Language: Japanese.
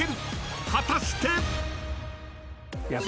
［果たして？］